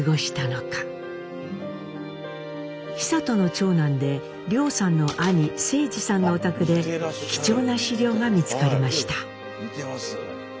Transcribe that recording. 久渡の長男で凌さんの兄征二さんのお宅で貴重な資料が見つかりました。